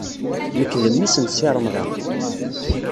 Nekk d memmi-s n Si Remḍan.